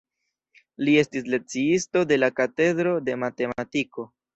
Li estis lekciisto de la katedro de matematiko.